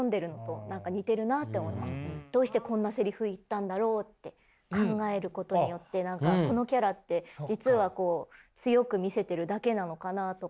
どうしてこんなセリフ言ったんだろうって考えることによって何かこのキャラって実は強く見せてるだけなのかなとか。